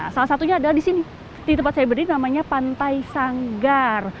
salah satunya adalah di sini di tempat saya berdiri namanya pantai sanggar